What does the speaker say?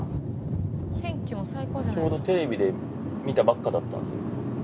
ちょうどテレビで見たばっかだったんですよ。